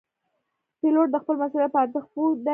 پیلوټ د خپل مسؤلیت په ارزښت پوه دی.